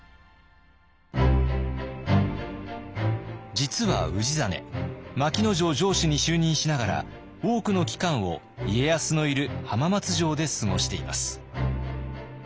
実は氏真牧野城城主に就任しながら多くの期間を家康のいる浜松城で過ごしています。